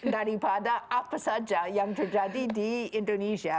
daripada apa saja yang terjadi di indonesia